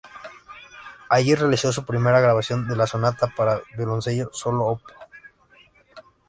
Allí realizó su primera grabación de la sonata para violonchelo solo, Op.